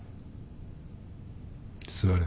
座れ。